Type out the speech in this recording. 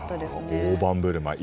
大盤振る舞い。